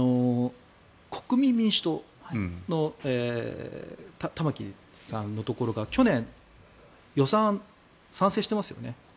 国民民主党の玉木さんのところが去年、予算、賛成してますよね。